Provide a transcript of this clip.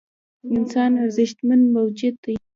انسان ارزښتمن موجود دی .